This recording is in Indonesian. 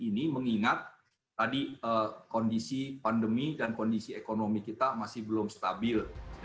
ini mengingat tadi kondisi pandemi dan kondisi ekonomi kita masih belum stabil